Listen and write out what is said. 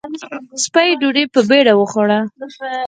سپۍ ډوډۍ په بېړه وخوړه.